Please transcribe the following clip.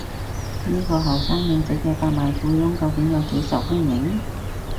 呢個後生靚仔嘅百萬富翁究竟有幾受歡迎？